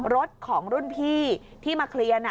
รถของรุ่นพี่ที่มาเคลียร์นะ